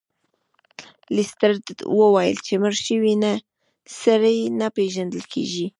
لیسټرډ وویل چې مړ شوی سړی نه پیژندل کیږي.